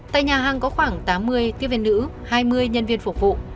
tại nhà hàng có khoảng tám mươi tiên nữ hai mươi nhân viên phục vụ